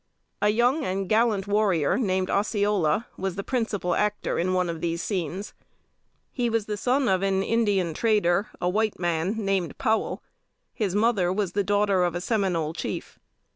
A young and gallant warrior, named Osceola, was the principal actor in one of these scenes. He was the son of an Indian trader, a white man, named Powell. His mother was the daughter of a Seminole chief.